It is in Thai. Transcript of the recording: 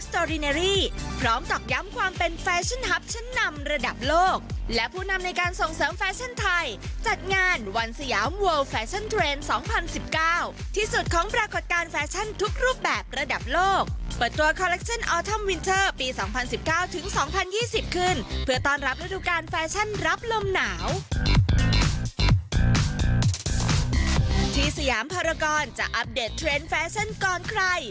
ที่สยามภารกรจะอัปเดตเทรนด์แฟชั่นก่อนใคร